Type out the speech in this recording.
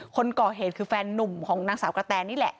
คนก่อเหตุคือแฟนนุ่มของนางสาวกระแตนี่แหละ